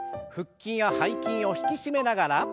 腹筋や背筋を引き締めながら。